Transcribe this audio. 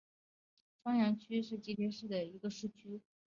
双阳区是吉林省长春市下辖的一个市辖区。